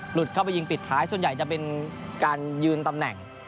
เข้าไปยิงปิดท้ายส่วนใหญ่จะเป็นการยืนตำแหน่ง